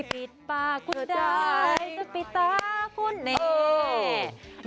ปิดปากคุณได้จะปิดตาคุณนี่